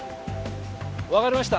わかりました。